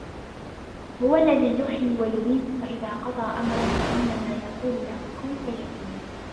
هُوَ الَّذِي يُحْيِي وَيُمِيتُ فَإِذَا قَضَى أَمْرًا فَإِنَّمَا يَقُولُ لَهُ كُنْ فَيَكُونُ